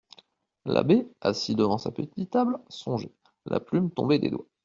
L'abbé, assis devant sa petite table, songeait, la plume tombée des doigts.